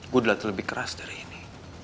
gue udah latih lebih keras dari ini